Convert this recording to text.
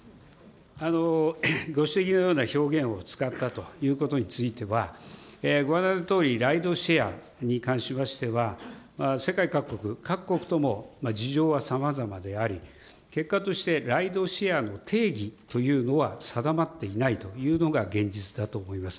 ご指摘のような表現を使ったということについては、ご案内のとおり、ライドシェアに関しては、世界各国、各国との事情はさまざまであり、結果としてライドシェアの定義というのは定まっていないというのが現実だと思います。